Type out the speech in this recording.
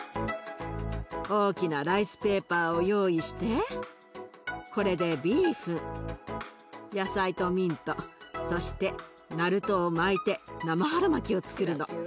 大きなライスペーパーを用意してこれでビーフン野菜とミントそしてなるとを巻いて生春巻をつくるの。